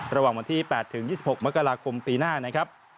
ระหว่างวันที่๘ถึง๒๖มกราคมปีหน้านะครับ